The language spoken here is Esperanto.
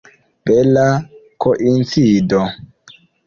Bela koincido!